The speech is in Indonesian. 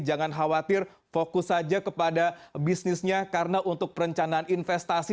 jangan khawatir fokus saja kepada bisnisnya karena untuk perencanaan investasi